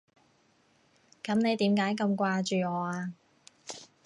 噉你點解咁掛住我啊？